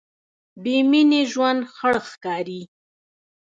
بېمینې ژوند خړ ښکاري.